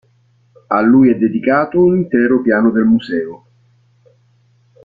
A lui è dedicato un intero piano del museo.